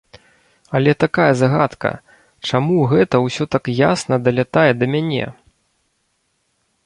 Але такая загадка, чаму гэта ўсё так ясна далятае да мяне?